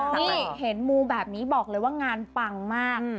เห็นมูแบบนี้บอกเลยว่างานปังมาก